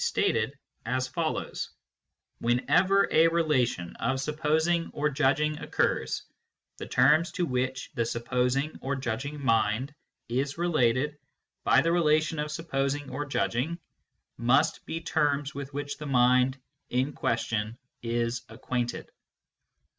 KNOWLEDGE BY ACQUAINTANCE 221 relation of supposing or judging occurs, the terms to which the supposing or judging mind is related by the relation of supposing or judging must be terms with which the mind in question is acquainted.